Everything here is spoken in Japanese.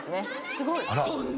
すごい。